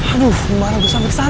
aduh gimana gue sampe kesana ya